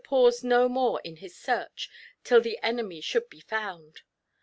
63 pause no more in his search till the enemy should be found.